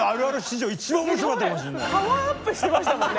パワーアップしてましたもんね。